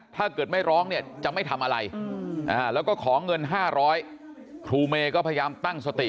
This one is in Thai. ถ้าเกิดไม่ร้องเนี่ยจะไม่ทำอะไรแล้วก็ขอเงิน๕๐๐ครูเมย์ก็พยายามตั้งสติ